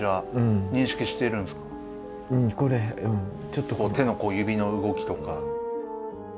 ちょっと手の指の動きとか。